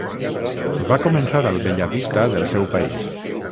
Va començar al Bella Vista del seu país.